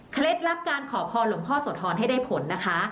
ลับการขอพรหลวงพ่อโสธรให้ได้ผลนะคะ